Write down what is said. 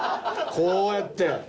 こうやって。